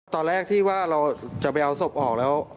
ตอนแรกที่ว่าเราจะไปเอาศพออกแล้ว